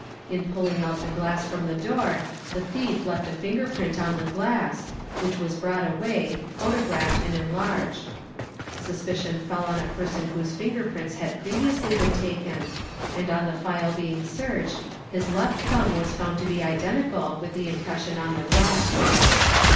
In pulling out the glass from the door the thief left a finger print on the glass, which "was brought away, photographed, and enlarged. Suspicion fell on a person whose finger prints had previously been taken and on the file being searched his left thumb was found to be identical with the impres ion on the glass.